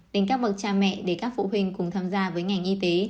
đến các bậc cha mẹ để các phụ huynh cùng tham gia với ngành y tế